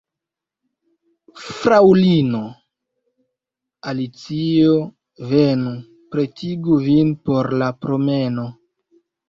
Fraŭlino Alicio, venu, pretigu vin por la promeno.